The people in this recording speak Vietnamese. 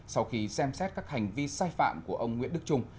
sau khi xem xét các hành vi sai phạm của ông nguyễn đức trung